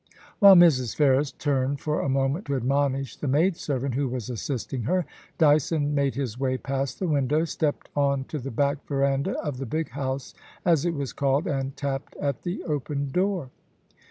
While Mrs. Ferris turned for a moment to admonish the 74 POLICY AND PASSION. maid servant who was assisting her, Dyson made his way past the window, stepped on to the back verandah of the big house, as it was called, and tapped at the open door.